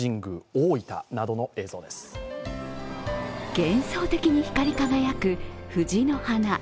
幻想的に光り輝く藤の花。